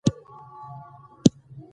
سیاسي ثبات د اوږدمهاله پلان نتیجه ده